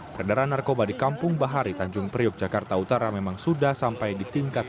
peredaran narkoba di kampung bahari tanjung priok jakarta utara memang sudah sampai di tingkat